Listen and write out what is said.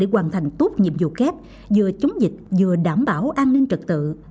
hoàn thành tốt nhiệm vụ kép vừa chống dịch vừa đảm bảo an ninh trật tự